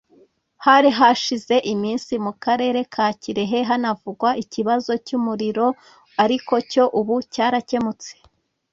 Hari hashize iminsi mu karere ka Kirehe hanavugwa ikibazo cy’umuriro ariko cyo ubu cyarakemutse